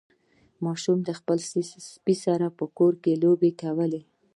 ماشوم د خپل سپي سره په کور کې لوبې کولې.